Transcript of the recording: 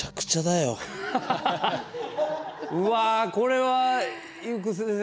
うわこれは伊福先生